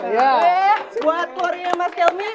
buat keluarga mas kelmi